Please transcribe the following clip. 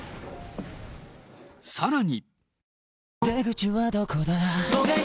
さらに。